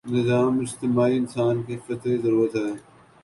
نظم اجتماعی انسان کی فطری ضرورت ہے۔